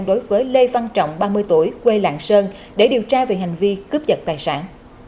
đối với lê văn trọng ba mươi tuổi quê lạng sơn để điều tra về hành vi cướp giật tài sản